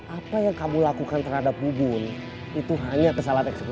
apa yang kamu lakukan terhadap uu ini itu hanya kesalahan eksekusi